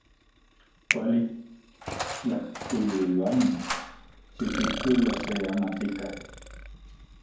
Kuali. Tlajkuiloani, xikijkuilo se amatl ika.